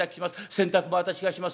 洗濯も私がします。